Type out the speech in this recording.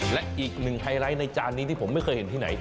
และอีกหนึ่งไฮไลท์ในจานนี้ที่ผมไม่เคยเห็นที่ไหน